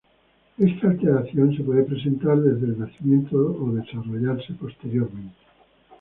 Esta alteración se puede presentar desde el nacimiento o desarrollarse posteriormente.